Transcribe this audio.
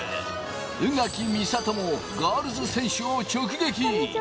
宇垣美里もガールズ選手を直撃。